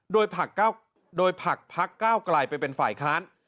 โดยผลักพักก้าวไกลไปเป็นฝ่ายค้าน